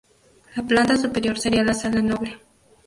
La planta superior sería la sala noble.